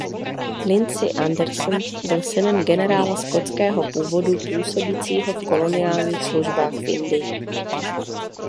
Lindsay Anderson byl synem generála skotského původu působícího v koloniálních službách v Indii.